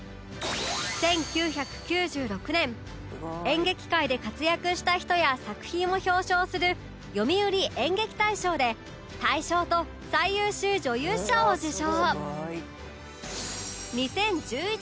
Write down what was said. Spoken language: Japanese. １９９６年演劇界で活躍した人や作品を表彰する読売演劇大賞で大賞と最優秀女優賞を受賞